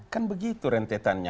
kan begitu rentetannya